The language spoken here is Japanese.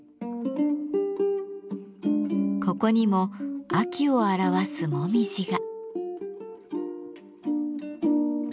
ここにも秋を表すもみじが。